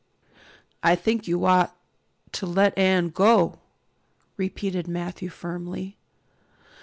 "I think you ought to let Anne go," repeated Matthew firmly.